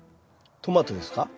トマトですか？